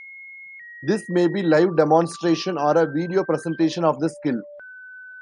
This may be live demonstration, or a video presentation of the skill.